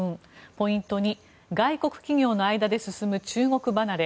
ポイント２外国企業の間で進む中国離れ。